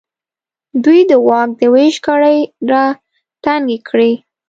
دوی د واک د وېش کړۍ راتنګې کړې.